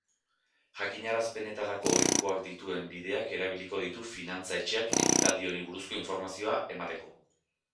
Jakinarazpenetarako ohikoak dituen bideak erabiliko ditu finantza etxeak ekitaldi honi buruzko informazioa emateko.